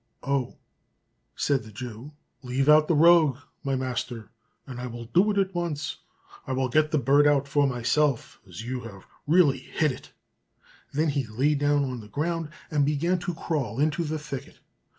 "Oh!" said the Jew, "leave out the rogue, my master, and I will do it at once. I will get the bird out for myself, as you really have hit it." Then he lay down on the ground, and began to crawl into the thicket.